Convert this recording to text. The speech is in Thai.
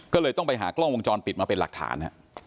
ก็เลยต้องไปหากล้องวงจรปิดมาเป็นหลักฐาน